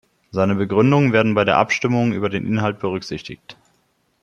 Seine Begründungen werden bei der Abstimmung über den Inhalt berücksichtigt.